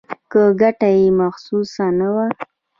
که ګټه یې محسوسه نه وه.